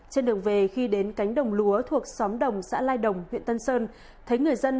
trên đường về khi đến cánh đồng lúa thuộc xóm đồng xã lai đồng huyện tân sơn